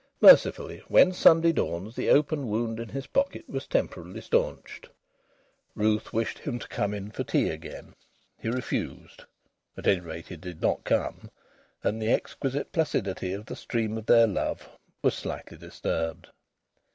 Mercifully, when Sunday dawned the open wound in his pocket was temporarily stanched. Ruth wished him to come in for tea again. He refused at any rate he did not come and the exquisite placidity of the stream of their love was slightly disturbed.